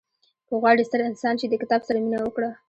• که غواړې ستر انسان شې، د کتاب سره مینه وکړه.